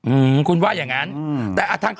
อือคุณว่าอย่างนั้น